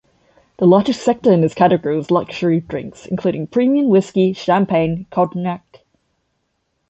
The largest sector in this category was luxury drinks, including premium whisky, Champagne, Cognac.